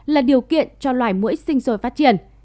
là điều kiện cho loài mũi sinh sôi phát triển